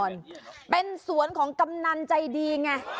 เป็นสวนของกำนันใจดีไง